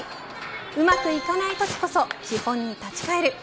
うまくいかないときこそ基本に立ち返る。